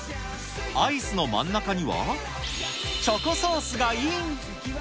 アイスの真ん中には、チョコソースがイン。